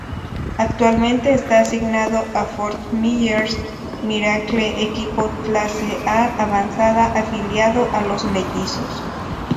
Actualmente está asignado a Fort Myers Miracle, equipo Clase-A avanzada afiliado a los Mellizos.